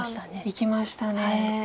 いきましたね。